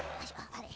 あれ？